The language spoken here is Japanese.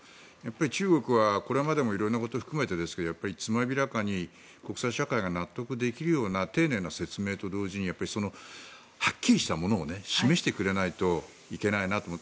中国はこれまでも色んなことを含めてですがつまびらかに国際社会が納得できるような丁寧な説明と同時にはっきりしたものを示してくれないといけないなと。